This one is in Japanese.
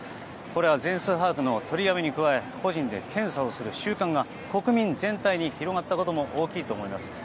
これは全数把握の取りやめに加え個人で検査をする習慣が国民全体に広がったことも大きいと思います。